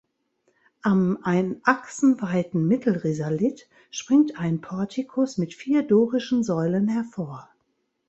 Am ein Achsen weiten Mittelrisalit springt ein Portikus mit vier dorischen Säulen hervor.